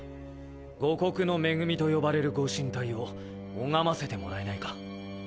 五穀の恵みと呼ばれるご神体を拝ませてもらえないか。